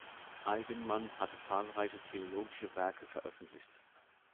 Eigenmann hat zahlreiche theologische Werke veröffentlicht.